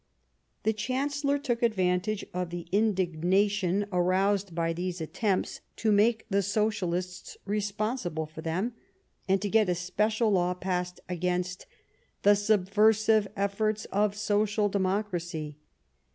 The Chancellor took advan tage of the indignation aroused by these attempts to make the Socialists responsible for them, and to get a special law passed against " the subversive efforts of Social Democracy."